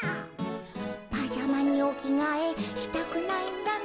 「パジャマにおきがえしたくないんだね